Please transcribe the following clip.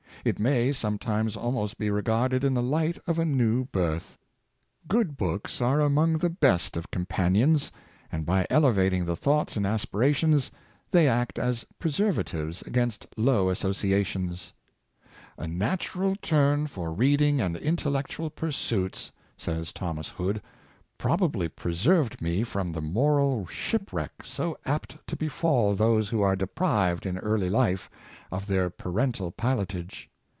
It may sometimes almost be regarded in the light of a new birth. Good books are among the best of companions, and. by elevating the thoughts and aspirations, they act as preservatives against low associations. " A natural turn for reading and intellectual pursuits," says Thomas Hwmanizing Influence of Books. 555 Hood, " probably preserved me from the moral ship wreck so apt to befall those who are deprived in early life of their parental pilotage.